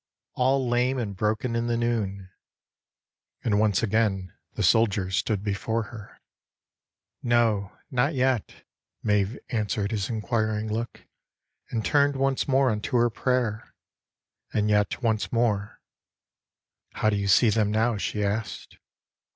" All lame And broken in the noon." And once again The soldier stood before her. " No, not yet." Maeve answered his inquiring look and turned Once more unto her prayer, and yet once more " How do you see them now ?" she asked.